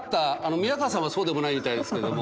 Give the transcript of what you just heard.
宮河さんはそうでもないみたいですけども。